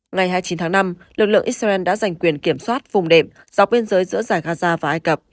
ngày hai mươi chín tháng năm lực lượng israel đã giành quyền kiểm soát vùng đệm dọc biên giới giữa giải gaza và ai cập